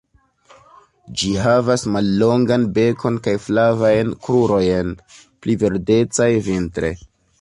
Ĝi havas mallongan bekon kaj flavajn krurojn -pli verdecaj vintre-.